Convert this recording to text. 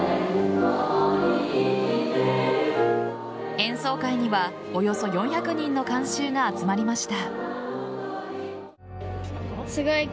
演奏会にはおよそ４００人の観衆が集まりました。